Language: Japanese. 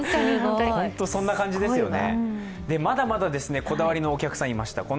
本当にそんな感じですよね。